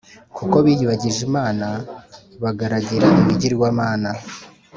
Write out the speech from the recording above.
kuko biyibagije Imana, bagaragira ibigirwamana,